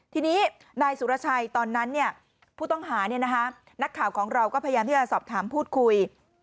ทีนี้นายสุรชัยตอนนั้นผู้ต้องหานักข่าวของเราก็พยายามที่จะสอบถามพูดคุย